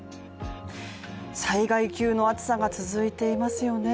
災害級の暑さが続いていますよね。